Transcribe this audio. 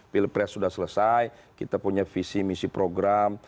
pilpres sudah selesai kita punya visi misi program